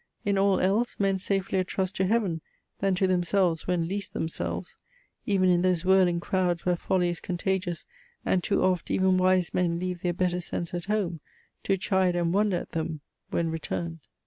In all else Men safelier trust to Heaven, than to themselves When least themselves: even in those whirling crowds Where folly is contagious, and too oft Even wise men leave their better sense at home, To chide and wonder at them, when returned."